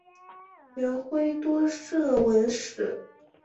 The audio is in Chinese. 元晖多涉文史。